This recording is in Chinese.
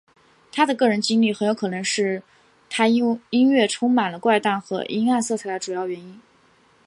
他的个人经历很有可能是他音乐充满了怪诞和阴暗色彩的重要原因。